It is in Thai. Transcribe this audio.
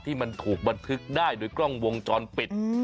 ที่มันถูกบันทึกได้โดยกล้องวงจรปิด